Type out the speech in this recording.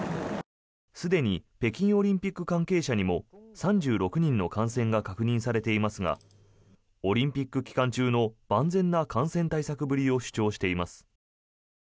すでに北京オリンピック関係者にも３６人の感染が確認されていますがオリンピック期間中の万全な感染対策ぶりを主張しています。